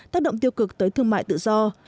tác động tiêu cực tới thương mại tự do